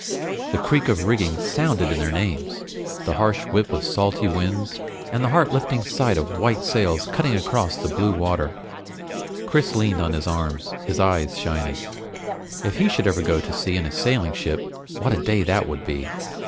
The creak of rigging sounded in the names, the harsh whip of salty winds, and the heart lifting sight of white sails cutting across blue water. Chris leaned on his arms, his eyes shining. If he should ever go to sea in a sailing ship, what a day that would be!